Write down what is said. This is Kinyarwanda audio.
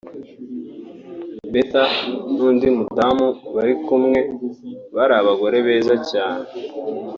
Béatha n’undi mudamu bari kumwe bari abagore beza cyane